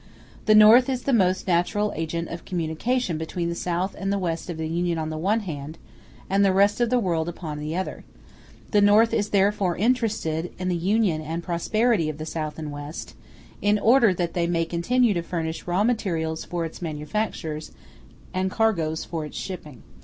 The North is the most natural agent of communication between the South and the West of the Union on the one hand, and the rest of the world upon the other; the North is therefore interested in the union and prosperity of the South and the West, in order that they may continue to furnish raw materials for its manufactures, and cargoes for its shipping.